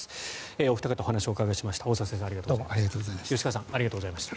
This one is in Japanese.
お二方にお話をお伺いしました。